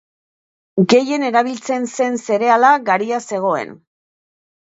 Gehien erabiltzen zen zereala garia zegoen.